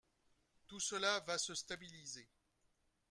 Tout cela va se stabiliser.